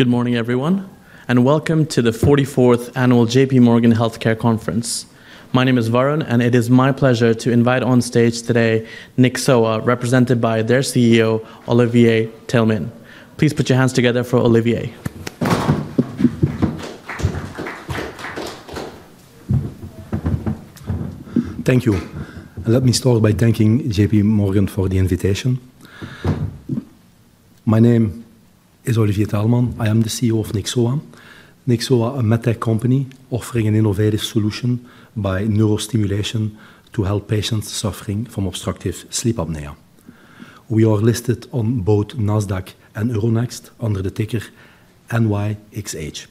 Good morning, everyone, and welcome to the 44th Annual JPMorgan Healthcare Conference. My name is Varun, and it is my pleasure to invite on stage today Nyxoah, represented by their CEO, Olivier Taelman. Please put your hands together for Olivier. Thank you. Let me start by thanking JPMorgan for the invitation. My name is Olivier Taelman. I am the CEO of Nyxoah, a medtech company offering an innovative solution by neurostimulation to help patients suffering from obstructive sleep apnea. We are listed on both Nasdaq and Euronext under the ticker NYXH.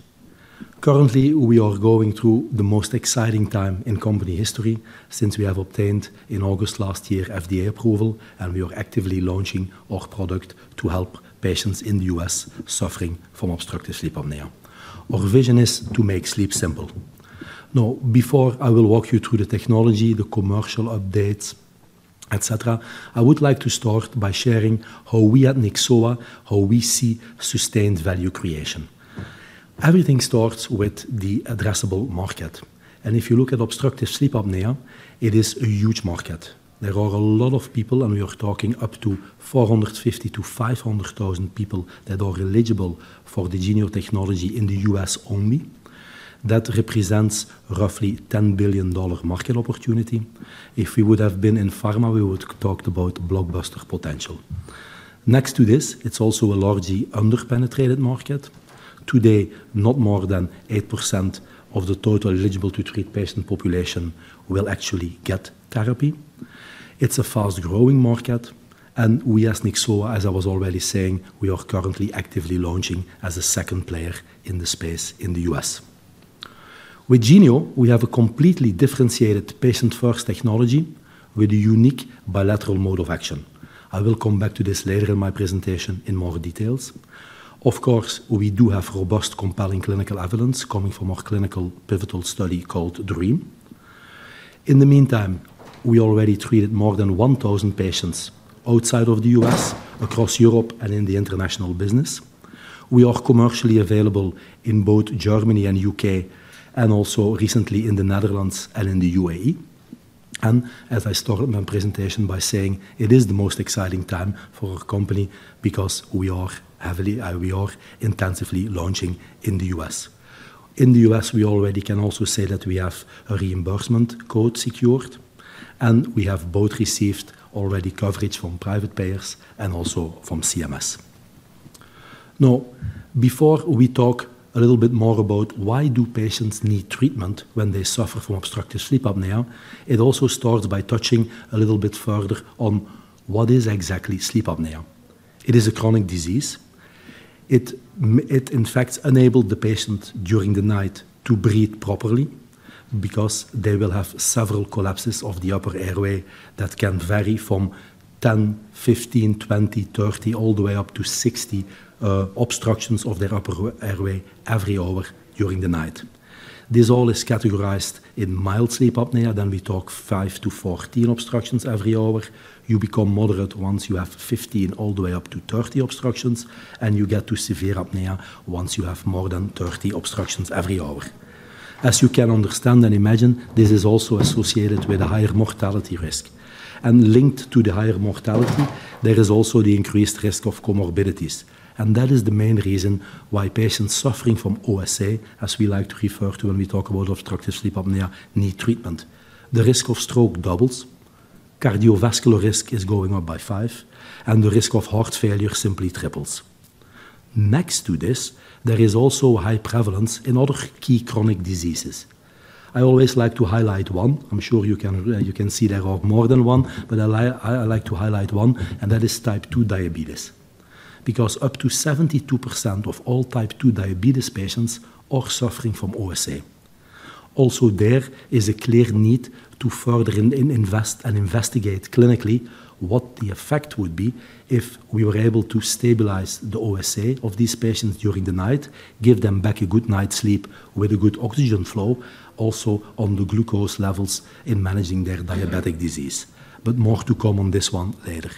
Currently, we are going through the most exciting time in company history since we have obtained, in August last year, FDA approval, and we are actively launching our product to help patients in the U.S. suffering from obstructive sleep apnea. Our vision is to make sleep simple. Now, before I will walk you through the technology, the commercial updates, etc., I would like to start by sharing how we at Nyxoah, how we see sustained value creation. Everything starts with the addressable market, and if you look at obstructive sleep apnea, it is a huge market. There are a lot of people, and we are talking up to 450,000-500,000 people that are eligible for the Genio technology in the U.S. only. That represents roughly a $10 billion market opportunity. If we would have been in pharma, we would have talked about blockbuster potential. Next to this, it's also a largely underpenetrated market. Today, not more than 8% of the total eligible-to-treat patient population will actually get therapy. It's a fast-growing market, and we at Nyxoah, as I was already saying, we are currently actively launching as a second player in the space in the U.S. With Genio, we have a completely differentiated patient-first technology with a unique bilateral mode of action. I will come back to this later in my presentation in more details. Of course, we do have robust, compelling clinical evidence coming from our clinical pivotal study called DREAM. In the meantime, we already treated more than 1,000 patients outside of the U.S., across Europe, and in the international business. We are commercially available in both Germany and the U.K., and also recently in the Netherlands and in the UAE, as I start my presentation by saying, it is the most exciting time for our company because we are heavily, we are intensively launching in the U.S. In the U.S., we already can also say that we have a reimbursement code secured, and we have both received already coverage from private payers and also from CMS. Now, before we talk a little bit more about why do patients need treatment when they suffer from obstructive sleep apnea, it also starts by touching a little bit further on what is exactly sleep apnea? It is a chronic disease. It, in fact, enables the patient during the night to breathe properly because they will have several collapses of the upper airway that can vary from 10, 15, 20, 30, all the way up to 60 obstructions of their upper airway every hour during the night. This all is categorized in mild sleep apnea. Then we talk five to 14 obstructions every hour. You become moderate once you have 15, all the way up to 30 obstructions, and you get to severe apnea once you have more than 30 obstructions every hour. As you can understand and imagine, this is also associated with a higher mortality risk. And linked to the higher mortality, there is also the increased risk of comorbidities. And that is the main reason why patients suffering from OSA, as we like to refer to when we talk about obstructive sleep apnea, need treatment. The risk of stroke doubles, cardiovascular risk is going up by five, and the risk of heart failure simply triples. Next to this, there is also a high prevalence in other key chronic diseases. I always like to highlight one. I'm sure you can see there are more than one, but I like to highlight one, and that is type 2 diabetes because up to 72% of all type 2 diabetes patients are suffering from OSA. Also, there is a clear need to further invest and investigate clinically what the effect would be if we were able to stabilize the OSA of these patients during the night, give them back a good night's sleep with a good oxygen flow, also on the glucose levels in managing their diabetic disease. But more to come on this one later.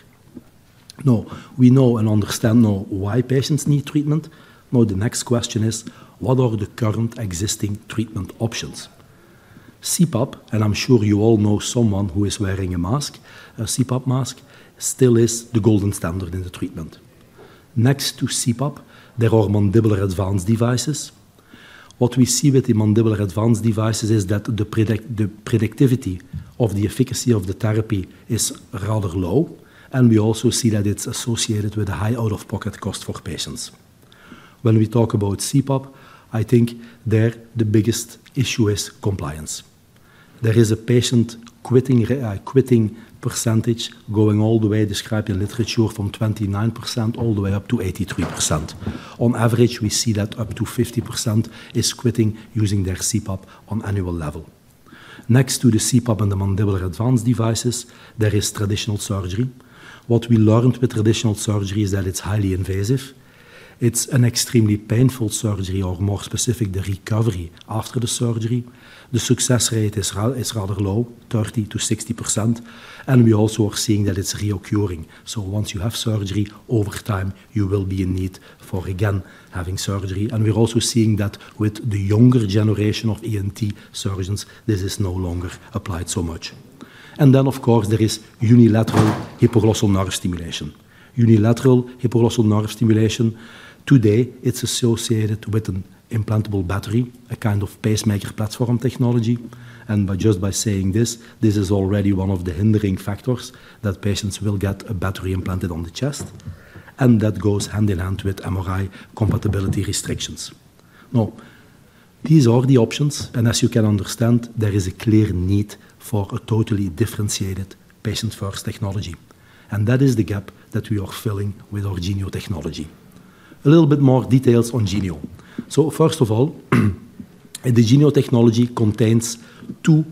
Now, we know and understand now why patients need treatment. Now, the next question is, what are the current existing treatment options? CPAP, and I'm sure you all know someone who is wearing a mask, a CPAP mask, still is the golden standard in the treatment. Next to CPAP, there are mandibular advancement devices. What we see with the mandibular advancement devices is that the predictability of the efficacy of the therapy is rather low, and we also see that it's associated with a high out-of-pocket cost for patients. When we talk about CPAP, I think that the biggest issue is compliance. There is a patient quitting percentage going all the way, in the literature, from 29% all the way up to 83%. On average, we see that up to 50% is quitting using their CPAP on an annual level. Next to the CPAP and the mandibular advancement devices, there is traditional surgery. What we learned with traditional surgery is that it's highly invasive. It's an extremely painful surgery, or more specific, the recovery after the surgery. The success rate is rather low, 30%-60%, and we also are seeing that it's reoccurring. So once you have surgery, over time, you will be in need for again having surgery. And we're also seeing that with the younger generation of ENT surgeons, this is no longer applied so much. And then, of course, there is unilateral hypoglossal nerve stimulation. Unilateral hypoglossal nerve stimulation, today, it's associated with an implantable battery, a kind of pacemaker platform technology. And just by saying this, this is already one of the hindering factors that patients will get a battery implanted on the chest, and that goes hand in hand with MRI compatibility restrictions. Now, these are the options, and as you can understand, there is a clear need for a totally differentiated patient-first technology, and that is the gap that we are filling with our Genio technology. A little bit more details on Genio. So first of all, the Genio technology contains two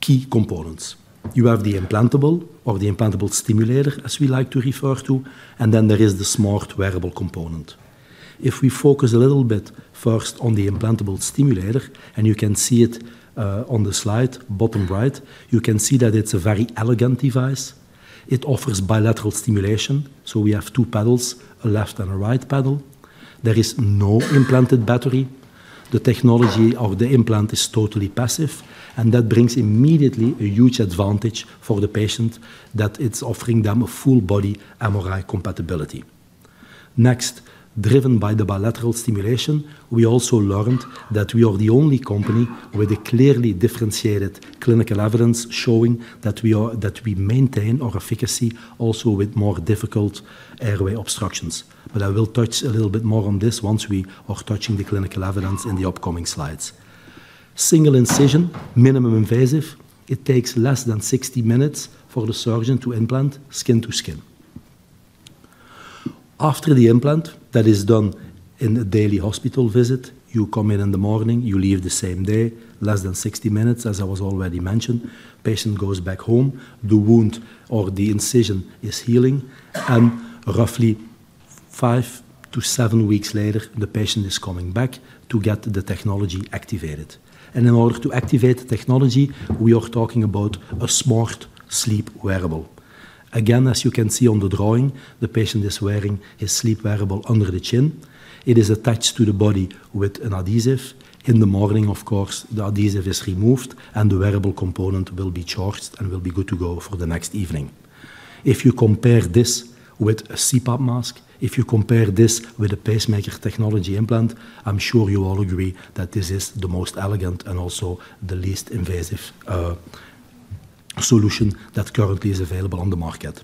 key components. You have the implantable stimulator, as we like to refer to, and then there is the smart wearable component. If we focus a little bit first on the implantable stimulator, and you can see it on the slide bottom right, you can see that it's a very elegant device. It offers bilateral stimulation, so we have two leads, a left and a right lead. There is no implanted battery. The technology of the implant is totally passive, and that brings immediately a huge advantage for the patient that it's offering them a full-body MRI compatibility. Next, driven by the bilateral stimulation, we also learned that we are the only company with a clearly differentiated clinical evidence showing that we maintain our efficacy also with more difficult airway obstructions, but I will touch a little bit more on this once we are touching the clinical evidence in the upcoming slides. Single incision, minimally invasive. It takes less than 60 minutes for the surgeon to implant skin-to-skin. After the implant, that is done in a daily hospital visit. You come in in the morning, you leave the same day, less than 60 minutes, as I was already mentioned. The patient goes back home, the wound or the incision is healing, and roughly five to seven weeks later, the patient is coming back to get the technology activated. In order to activate the technology, we are talking about a smart sleep wearable. Again, as you can see on the drawing, the patient is wearing his sleep wearable under the chin. It is attached to the body with an adhesive. In the morning, of course, the adhesive is removed, and the wearable component will be charged and will be good to go for the next evening. If you compare this with a CPAP mask, if you compare this with a pacemaker technology implant, I'm sure you all agree that this is the most elegant and also the least invasive solution that currently is available on the market.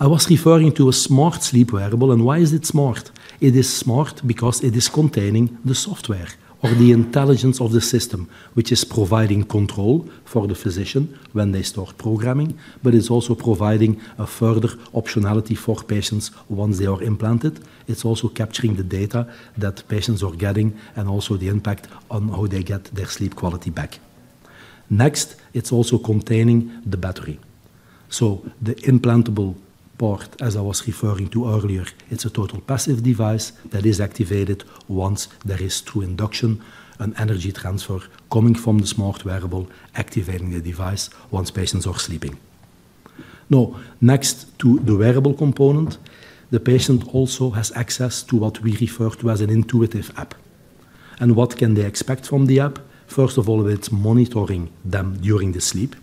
I was referring to a smart sleep wearable, and why is it smart? It is smart because it is containing the software or the intelligence of the system, which is providing control for the physician when they start programming, but it's also providing a further optionality for patients once they are implanted. It's also capturing the data that patients are getting and also the impact on how they get their sleep quality back. Next, it's also containing the battery. So the implantable part, as I was referring to earlier, it's a total passive device that is activated once there is true induction, an energy transfer coming from the smart wearable, activating the device once patients are sleeping. Now, next to the wearable component, the patient also has access to what we refer to as an intuitive app, and what can they expect from the app? First of all, it's monitoring them during the sleep.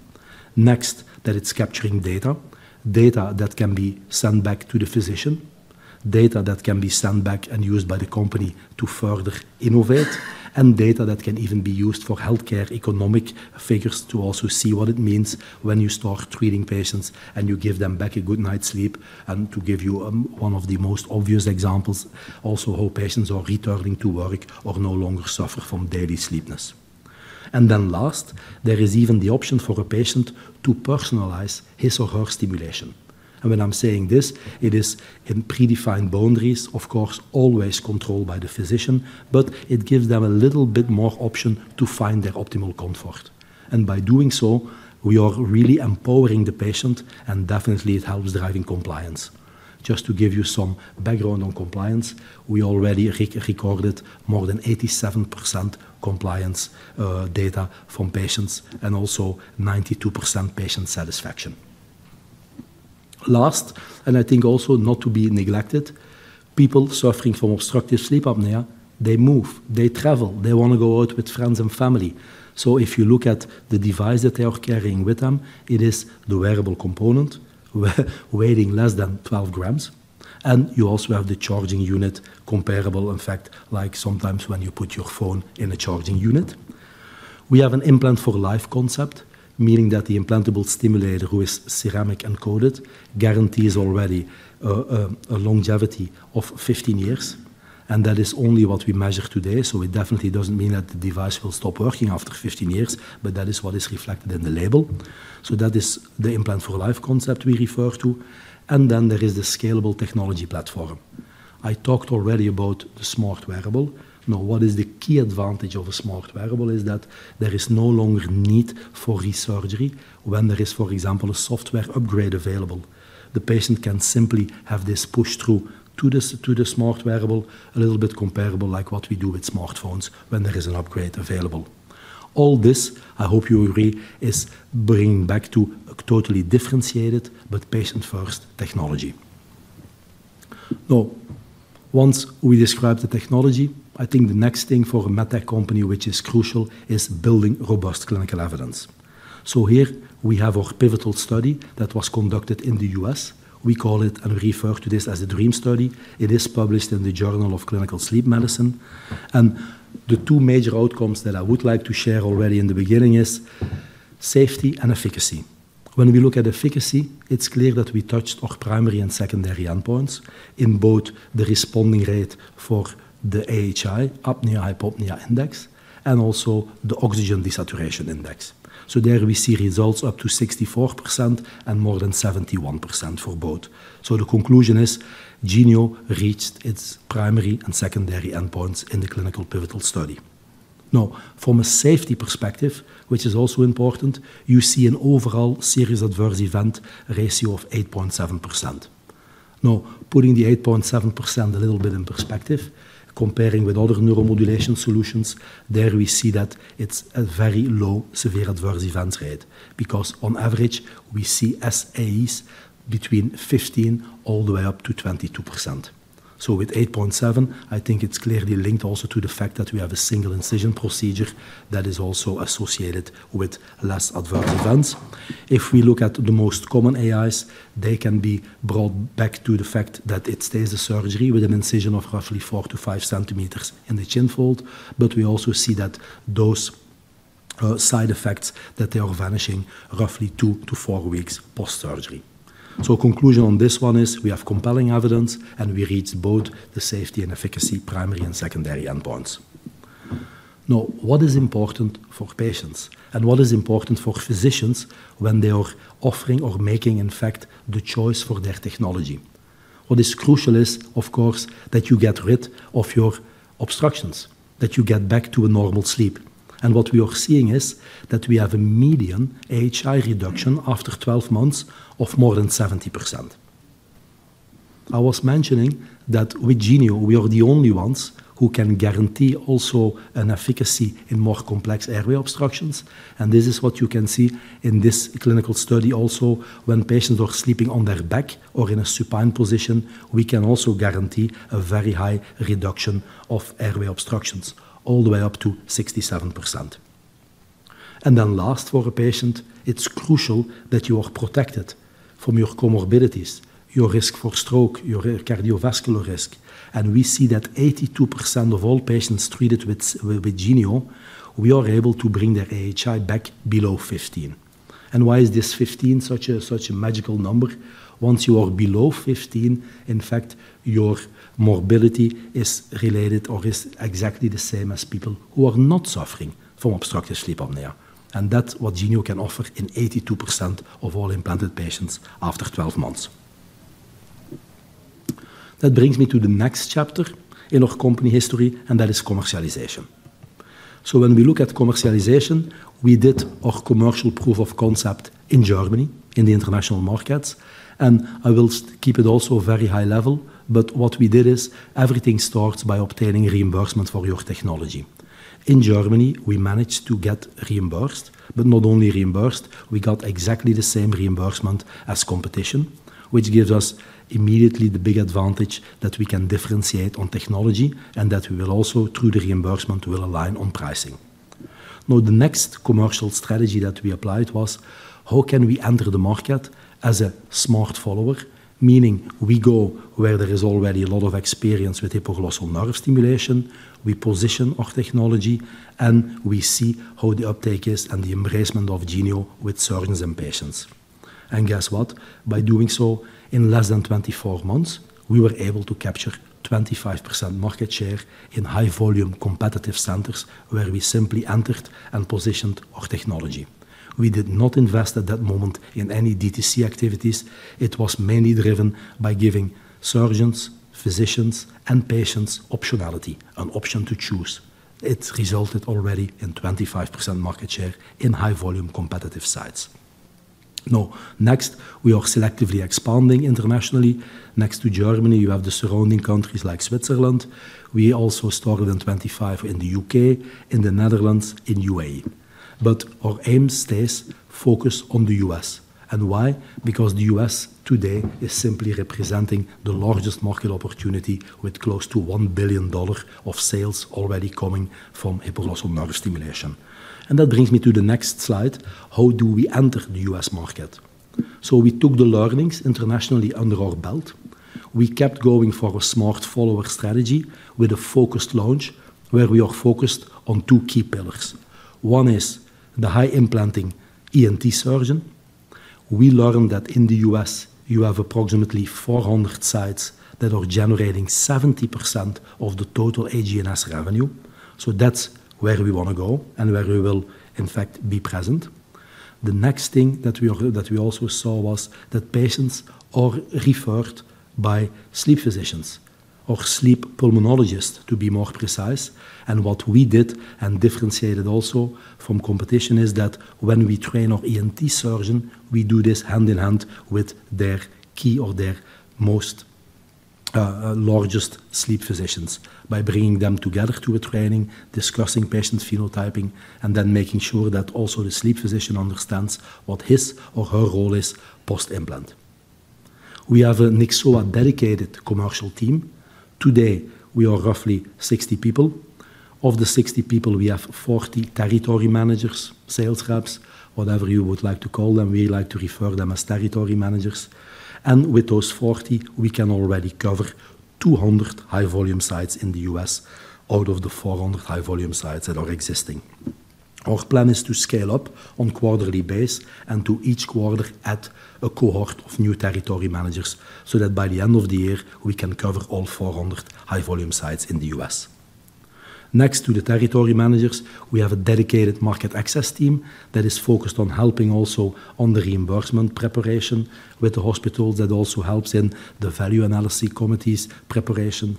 Next, that it's capturing data, data that can be sent back to the physician, data that can be sent back and used by the company to further innovate, and data that can even be used for healthcare economic figures to also see what it means when you start treating patients and you give them back a good night's sleep. And to give you one of the most obvious examples, also how patients are returning to work or no longer suffer from daily sleepiness. And then last, there is even the option for a patient to personalize his or her stimulation. And when I'm saying this, it is in predefined boundaries, of course, always controlled by the physician, but it gives them a little bit more option to find their optimal comfort. And by doing so, we are really empowering the patient, and definitely it helps driving compliance. Just to give you some background on compliance, we already recorded more than 87% compliance data from patients and also 92% patient satisfaction. Last, and I think also not to be neglected, people suffering from obstructive sleep apnea, they move, they travel, they want to go out with friends and family. So if you look at the device that they are carrying with them, it is the wearable component weighing less than 12 g. And you also have the charging unit comparable, in fact, like sometimes when you put your phone in a charging unit. We have an implant for life concept, meaning that the implantable stimulator, who is ceramic encoded, guarantees already a longevity of 15 years. And that is only what we measure today, so it definitely doesn't mean that the device will stop working after 15 years, but that is what is reflected in the label. So that is the implant for life concept we refer to. And then there is the scalable technology platform. I talked already about the smart wearable. Now, what is the key advantage of a smart wearable is that there is no longer need for resurgery when there is, for example, a software upgrade available. The patient can simply have this push-through to the smart wearable, a little bit comparable like what we do with smartphones when there is an upgrade available. All this, I hope you agree, is bringing back to a totally differentiated but patient-first technology. Now, once we describe the technology, I think the next thing for a med tech company, which is crucial, is building robust clinical evidence. So here we have our pivotal study that was conducted in the U.S. We call it, and we refer to this as the DREAM study. It is published in the Journal of Clinical Sleep Medicine, and the two major outcomes that I would like to share already in the beginning is safety and efficacy. When we look at efficacy, it's clear that we touched our primary and secondary endpoints in both the responding rate for the AHI, apnea-hypopnea index, and also the oxygen desaturation index, so there we see results up to 64% and more than 71% for both, so the conclusion is Genio reached its primary and secondary endpoints in the clinical pivotal study. Now, from a safety perspective, which is also important, you see an overall serious adverse event ratio of 8.7%. Now, putting the 8.7% a little bit in perspective, comparing with other neuromodulation solutions, there we see that it's a very low severe adverse event rate because on average, we see SAEs between 15% all the way up to 22%. With 8.7%, I think it's clearly linked also to the fact that we have a single incision procedure that is also associated with less adverse events. If we look at the most common AEs, they can be brought back to the fact that it stays a surgery with an incision of roughly four to five centimeters in the chin fold, but we also see that those side effects, that they are vanishing roughly two to four weeks post-surgery. Conclusion on this one is we have compelling evidence, and we reach both the safety and efficacy primary and secondary endpoints. Now, what is important for patients and what is important for physicians when they are offering or making, in fact, the choice for their technology? What is crucial is, of course, that you get rid of your obstructions, that you get back to a normal sleep. And what we are seeing is that we have a median AHI reduction after 12 months of more than 70%. I was mentioning that with Genio, we are the only ones who can guarantee also an efficacy in more complex airway obstructions, and this is what you can see in this clinical study also. When patients are sleeping on their back or in a supine position, we can also guarantee a very high reduction of airway obstructions all the way up to 67%. And then lastly for a patient, it's crucial that you are protected from your comorbidities, your risk for stroke, your cardiovascular risk. And we see that 82% of all patients treated with Genio, we are able to bring their AHI back below 15. And why is this 15 such a magical number? Once you are below 15, in fact, your morbidity is related or is exactly the same as people who are not suffering from obstructive sleep apnea. And that's what Genio can offer in 82% of all implanted patients after 12 months. That brings me to the next chapter in our company history, and that is commercialization. So when we look at commercialization, we did our commercial proof of concept in Germany in the international markets. And I will keep it also very high level, but what we did is everything starts by obtaining reimbursement for your technology. In Germany, we managed to get reimbursed, but not only reimbursed, we got exactly the same reimbursement as competition, which gives us immediately the big advantage that we can differentiate on technology and that we will also, through the reimbursement, align on pricing. Now, the next commercial strategy that we applied was how can we enter the market as a smart follower, meaning we go where there is already a lot of experience with hypoglossal nerve stimulation, we position our technology, and we see how the uptake is and the embracement of Genio with surgeons and patients, and guess what? By doing so, in less than 24 months, we were able to capture 25% market share in high-volume competitive centers where we simply entered and positioned our technology. We did not invest at that moment in any DTC activities. It was mainly driven by giving surgeons, physicians, and patients optionality, an option to choose. It resulted already in 25% market share in high-volume competitive sites. Now, next, we are selectively expanding internationally. Next to Germany, you have the surrounding countries like Switzerland. We also started in 2025 in the U.K., in the Netherlands, in UAE, but our aim stays focused on the U.S., and why? Because the U.S. today is simply representing the largest market opportunity with close to $1 billion of sales already coming from hypoglossal nerve stimulation, and that brings me to the next slide. How do we enter the U.S. market? So we took the learnings internationally under our belt. We kept going for a smart follower strategy with a focused launch where we are focused on two key pillars. One is the high-implanting ENT surgeon. We learned that in the U.S., you have approximately 400 sites that are generating 70% of the total AGNS revenue, so that's where we want to go and where we will, in fact, be present. The next thing that we also saw was that patients are referred by sleep physicians or sleep pulmonologists, to be more precise, and what we did and differentiated also from competition is that when we train our ENT surgeon, we do this hand in hand with their key or their largest sleep physicians by bringing them together to a training, discussing patient phenotyping, and then making sure that also the sleep physician understands what his or her role is post-implant. We have a Nyxoah dedicated commercial team. Today, we are roughly 60 people. Of the 60 people, we have 40 territory managers, sales reps, whatever you would like to call them. We like to refer to them as territory managers, and with those 40, we can already cover 200 high-volume sites in the U.S. out of the 400 high-volume sites that are existing. Our plan is to scale up on a quarterly basis and to each quarter add a cohort of new territory managers so that by the end of the year, we can cover all 400 high-volume sites in the U.S. Next to the territory managers, we have a dedicated market access team that is focused on helping also on the reimbursement preparation with the hospitals that also helps in the value analysis committees preparation.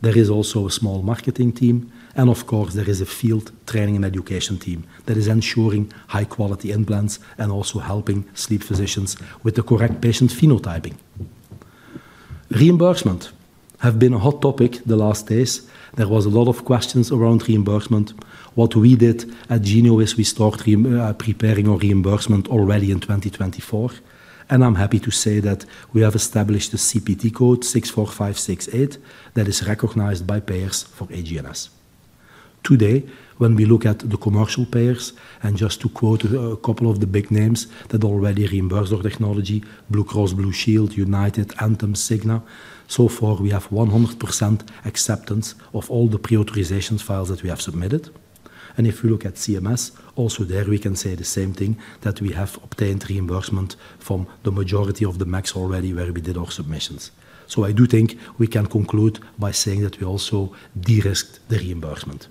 There is also a small marketing team. And of course, there is a field training and education team that is ensuring high-quality implants and also helping sleep physicians with the correct patient phenotyping. Reimbursement has been a hot topic the last days. There were a lot of questions around reimbursement. What we did at Genio is we started preparing our reimbursement already in 2024. And I'm happy to say that we have established a CPT code, 64568, that is recognized by payers for AGNS. Today, when we look at the commercial payers, and just to quote a couple of the big names that already reimburse our technology, Blue Cross Blue Shield, United, Anthem, Cigna, so far, we have 100% acceptance of all the pre-authorization files that we have submitted. And if we look at CMS, also there we can say the same thing, that we have obtained reimbursement from the majority of the MACs already where we did our submissions. So I do think we can conclude by saying that we also de-risked the reimbursement.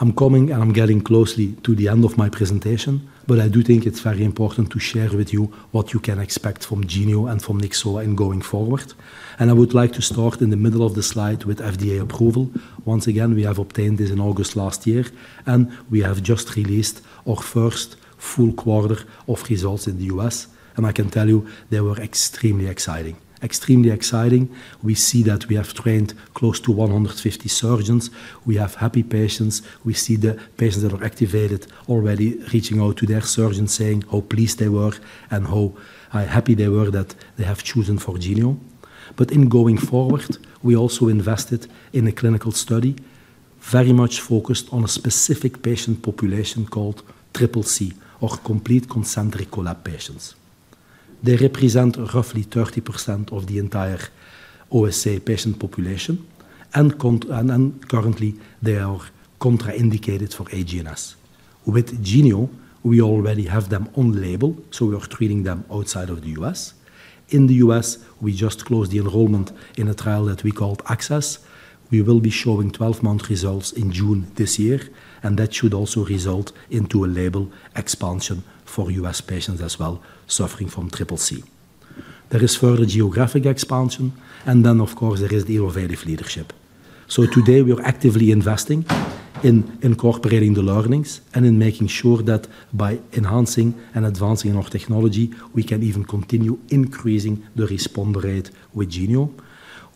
I'm coming and I'm getting closely to the end of my presentation, but I do think it's very important to share with you what you can expect from Genio and from Nyxoah in going forward. I would like to start in the middle of the slide with FDA approval. Once again, we have obtained this in August last year, and we have just released our first full quarter of results in the U.S. And I can tell you they were extremely exciting. Extremely exciting. We see that we have trained close to 150 surgeons. We have happy patients. We see the patients that are activated already reaching out to their surgeons, saying how pleased they were and how happy they were that they have chosen for Genio. But in going forward, we also invested in a clinical study very much focused on a specific patient population called CCC, or complete concentric collapse patients. They represent roughly 30% of the entire U.S. patient population, and currently, they are contraindicated for AGNS. With Genio, we already have them on label, so we are treating them outside of the U.S. In the U.S., we just closed the enrollment in a trial that we called ACCESS. We will be showing 12-month results in June this year, and that should also result in a label expansion for U.S. patients as well suffering from CCC. There is further geographic expansion, and then, of course, there is the innovative leadership. So today, we are actively investing in incorporating the learnings and in making sure that by enhancing and advancing our technology, we can even continue increasing the response rate with Genio.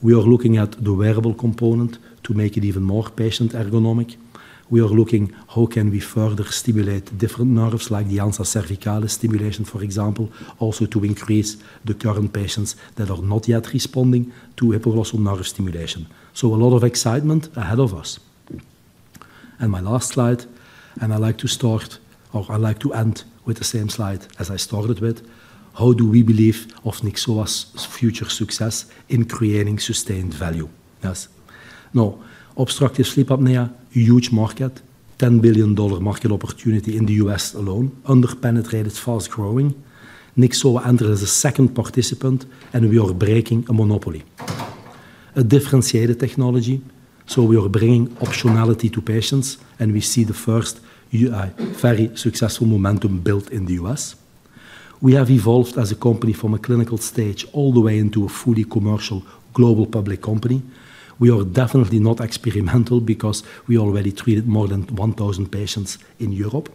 We are looking at the wearable component to make it even more patient ergonomic. We are looking at how can we further stimulate different nerves, like the ansa cervicalis stimulation, for example, also to increase the current patients that are not yet responding to hypoglossal nerve stimulation. So a lot of excitement ahead of us. And my last slide, and I like to start, or I like to end with the same slide as I started with, how do we believe of Nyxoah's future success in creating sustained value? Now, obstructive sleep apnea, huge market, $10 billion market opportunity in the U.S. alone, under-penetrated, fast growing. Nyxoah entered as a second participant, and we are breaking a monopoly. A differentiated technology, so we are bringing optionality to patients, and we see the first very successful momentum built in the U.S. We have evolved as a company from a clinical stage all the way into a fully commercial global public company. We are definitely not experimental because we already treated more than 1,000 patients in Europe.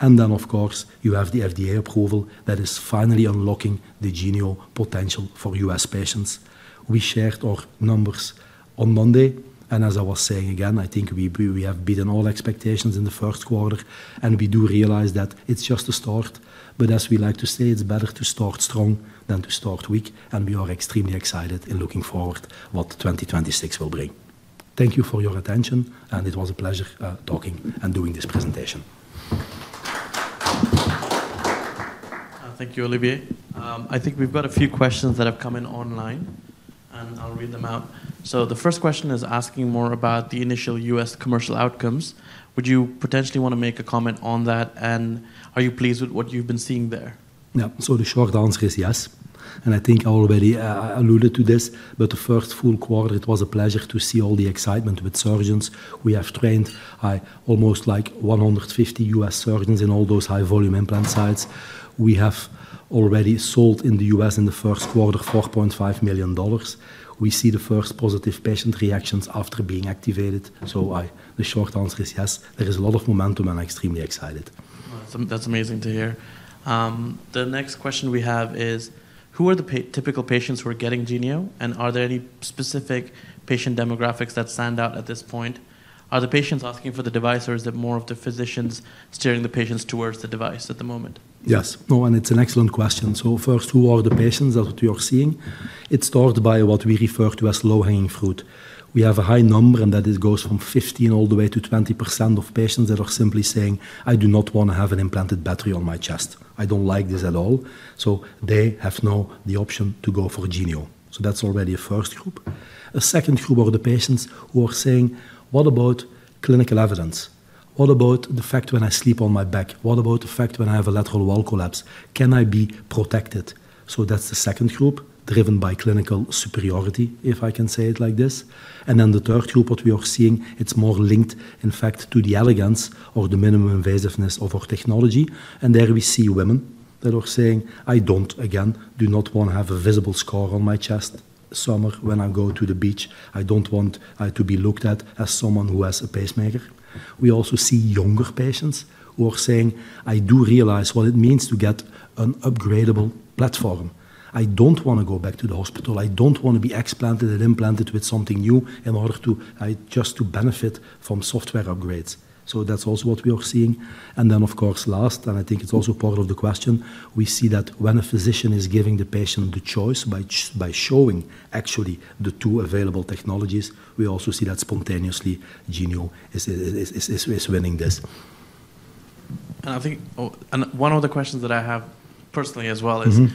And then, of course, you have the FDA approval that is finally unlocking the Genio potential for U.S. patients. We shared our numbers on Monday, and as I was saying again, I think we have beaten all expectations in the first quarter, and we do realize that it's just a start. But as we like to say, it's better to start strong than to start weak, and we are extremely excited and looking forward to what 2026 will bring. Thank you for your attention, and it was a pleasure talking and doing this presentation. Thank you, Olivier. I think we've got a few questions that have come in online, and I'll read them out. So the first question is asking more about the initial U.S. commercial outcomes. Would you potentially want to make a comment on that, and are you pleased with what you've been seeing there? Yeah, so the short answer is yes. And I think I already alluded to this, but the first full quarter, it was a pleasure to see all the excitement with surgeons. We have trained almost like 150 U.S. surgeons in all those high-volume implant sites. We have already sold in the U.S. in the first quarter $4.5 million. We see the first positive patient reactions after being activated. So the short answer is yes. There is a lot of momentum, and I'm extremely excited. That's amazing to hear. The next question we have is, who are the typical patients who are getting Genio, and are there any specific patient demographics that stand out at this point? Are the patients asking for the device, or is it more of the physicians steering the patients towards the device at the moment? Yes. Oh, and it's an excellent question. So first, who are the patients that we are seeing? It's started by what we refer to as low-hanging fruit. We have a high number, and that goes from 15%-20% of patients that are simply saying, "I do not want to have an implanted battery on my chest. I don't like this at all." So they have now the option to go for Genio. So that's already a first group. A second group are the patients who are saying, "What about clinical evidence? What about the fact when I sleep on my back? What about the fact when I have a lateral wall collapse? Can I be protected?" So that's the second group, driven by clinical superiority, if I can say it like this. And then the third group that we are seeing, it's more linked, in fact, to the elegance or the minimum invasiveness of our technology. And there we see women that are saying, "I don't, again, do not want to have a visible scar on my chest this summer when I go to the beach. I don't want to be looked at as someone who has a pacemaker." We also see younger patients who are saying, "I do realize what it means to get an upgradable platform. I don't want to go back to the hospital. I don't want to be explanted and implanted with something new in order to just benefit from software upgrades." So that's also what we are seeing. And then, of course, last, and I think it's also part of the question, we see that when a physician is giving the patient the choice by showing actually the two available technologies, we also see that spontaneously Genio is winning this. And one of the questions that I have personally as well is,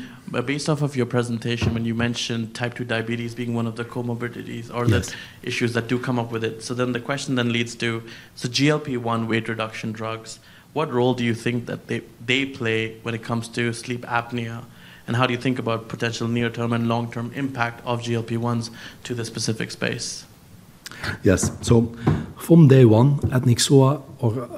based off of your presentation, when you mentioned type 2 diabetes being one of the comorbidities or the issues that do come up with it, so then the question then leads to, so GLP-1 weight reduction drugs, what role do you think that they play when it comes to sleep apnea? And how do you think about potential near-term and long-term impact of GLP-1s to the specific space? Yes. So from day one at Nyxoah,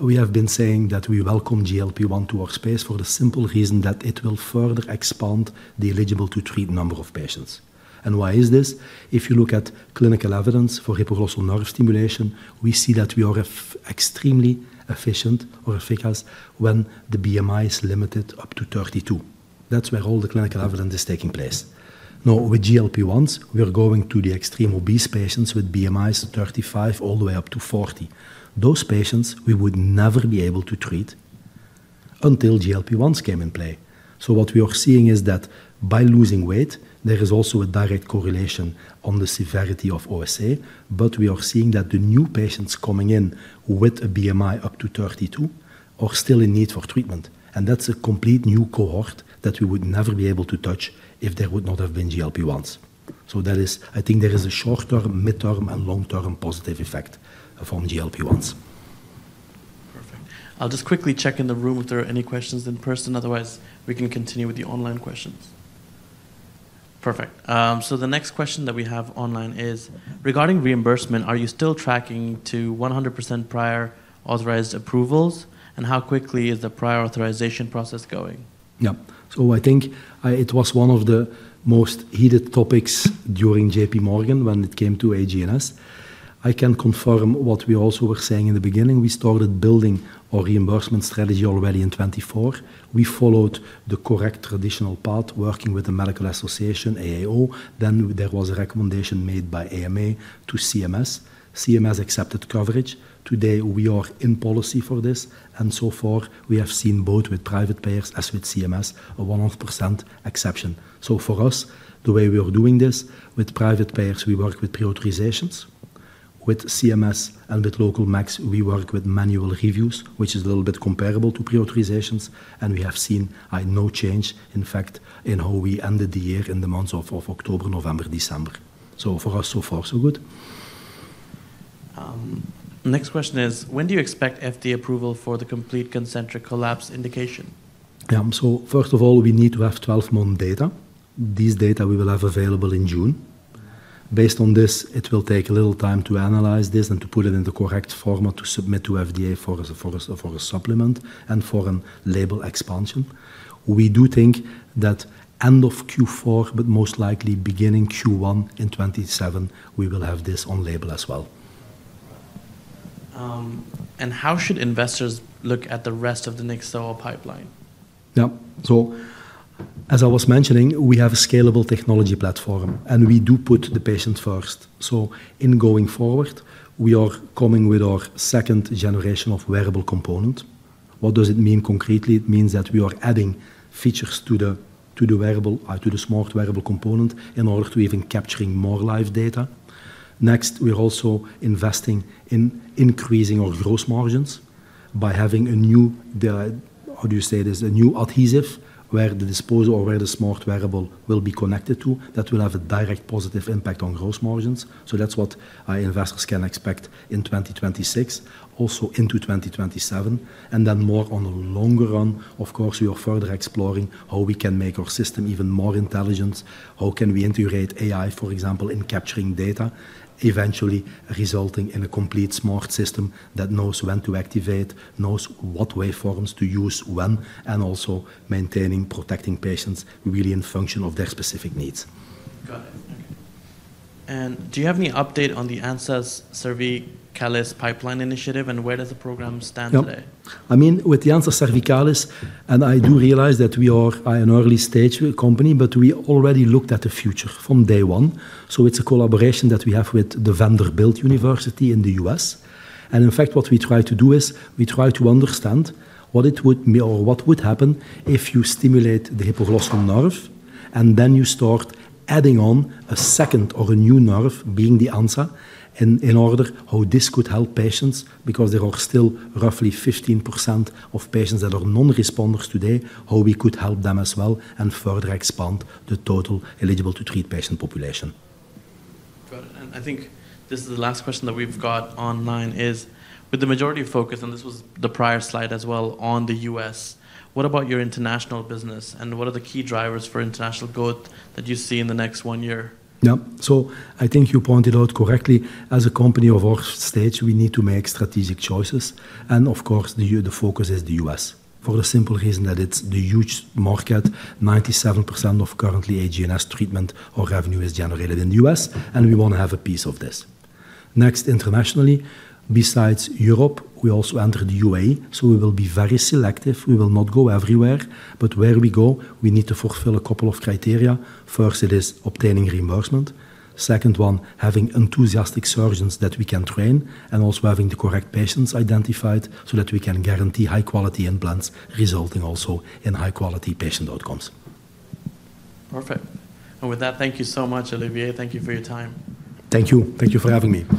we have been saying that we welcome GLP-1 to our space for the simple reason that it will further expand the eligible-to-treat number of patients. And why is this? If you look at clinical evidence for hypoglossal nerve stimulation, we see that we are extremely efficient or efficacious when the BMI is limited up to 32. That's where all the clinical evidence is taking place. Now, with GLP-1s, we are going to the extreme obese patients with BMIs 35 all the way up to 40. Those patients, we would never be able to treat until GLP-1s came in play. So what we are seeing is that by losing weight, there is also a direct correlation on the severity of OSA, but we are seeing that the new patients coming in with a BMI up to 32 are still in need for treatment. And that's a complete new cohort that we would never be able to touch if there would not have been GLP-1s. So I think there is a short-term, mid-term, and long-term positive effect from GLP-1s. Perfect. I'll just quickly check in the room if there are any questions in person? Otherwise, we can continue with the online questions. Perfect. So the next question that we have online is, regarding reimbursement, are you still tracking to 100% prior authorized approvals? And how quickly is the prior authorization process going? Yeah. So I think it was one of the most heated topics during JPMorgan when it came to AGNS. I can confirm what we also were saying in the beginning. We started building our reimbursement strategy already in 2024. We followed the correct traditional path, working with the medical association, AAO. Then there was a recommendation made by AMA to CMS. CMS accepted coverage. Today, we are in policy for this. And so far, we have seen both with private payers as with CMS, a 100% exception. So for us, the way we are doing this with private payers, we work with pre-authorizations. With CMS and with local MACs, we work with manual reviews, which is a little bit comparable to pre-authorizations. And we have seen no change, in fact, in how we ended the year in the months of October, November, December. So for us, so far, so good. Next question is, when do you expect FDA approval for the complete concentric collapse indication? Yeah. So first of all, we need to have 12-month data. These data we will have available in June. Based on this, it will take a little time to analyze this and to put it in the correct format to submit to FDA for a supplement and for a label expansion. We do think that end of Q4, but most likely beginning Q1 in 2027, we will have this on label as well. And how should investors look at the rest of the Nyxoah pipeline? Yeah. So as I was mentioning, we have a scalable technology platform, and we do put the patient first. So in going forward, we are coming with our second generation of wearable component. What does it mean concretely? It means that we are adding features to the wearable, to the smart wearable component in order to even capture more live data. Next, we are also investing in increasing our gross margins by having a new, how do you say this, a new adhesive where the disposable or where the smart wearable will be connected to that will have a direct positive impact on gross margins. So that's what investors can expect in 2026, also into 2027. And then more on the long run, of course, we are further exploring how we can make our system even more intelligent. How can we integrate AI, for example, in capturing data, eventually resulting in a complete smart system that knows when to activate, knows what waveforms to use when, and also maintaining, protecting patients really in function of their specific needs. Got it. Okay. And do you have any update on the ansa cervicalis pipeline initiative, and where does the program stand today? Yeah. I mean, with the ansa cervicalis, and I do realize that we are an early stage company, but we already looked at the future from day one. So it's a collaboration that we have with the Vanderbilt University in the U.S. And in fact, what we try to do is we try to understand what would happen if you stimulate the hypoglossal nerve, and then you start adding on a second or a new nerve being the ansa in order how this could help patients, because there are still roughly 15% of patients that are non-responders today, how we could help them as well and further expand the total eligible-to-treat patient population. Got it. I think this is the last question that we've got online is, with the majority focus, and this was the prior slide as well, on the U.S., what about your international business, and what are the key drivers for international growth that you see in the next one year? Yeah. So I think you pointed out correctly, as a company of our stage, we need to make strategic choices. And of course, the focus is the U.S. for the simple reason that it's the huge market. 97% of currently AGNS treatment or revenue is generated in the U.S., and we want to have a piece of this. Next, internationally, besides Europe, we also enter the UAE. So we will be very selective. We will not go everywhere. But where we go, we need to fulfill a couple of criteria. First, it is obtaining reimbursement. Second one, having enthusiastic surgeons that we can train and also having the correct patients identified so that we can guarantee high-quality implants, resulting also in high-quality patient outcomes. Perfect. And with that, thank you so much, Olivier. Thank you for your time. Thank you. Thank you for having me.